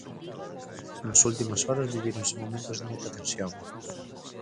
Nas últimas horas vivíronse momentos de moita tensión.